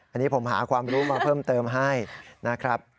อันนี้ผมหาความรู้มาเพิ่มเติมให้นะครับ